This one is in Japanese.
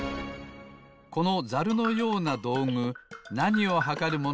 このざるのようなどうぐなにをはかるものでしょうか？